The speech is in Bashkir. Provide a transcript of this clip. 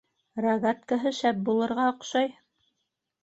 Рогаткаһы шәп булырға оҡшай.